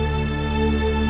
aku mau ke sana